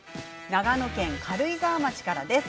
長野県・軽井沢町です。